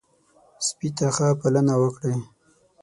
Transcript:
سپي ته ښه پالنه وکړئ.